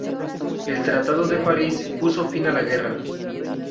El tratado de París puso fin a la guerra.